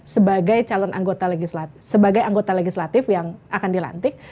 sebagai calon sebagai anggota legislatif yang akan dilantik